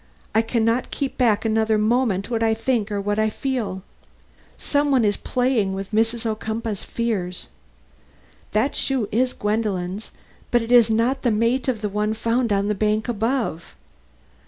I can not keep back another moment what I think or what I feel. Some one is playing with Mrs. Ocumpaugh's fears. That shoe is Gwendolen's, but it is not the mate of the one found on the bank above.